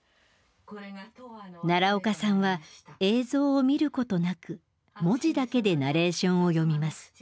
奈良岡さんは映像を見ることなく文字だけでナレーションを読みます。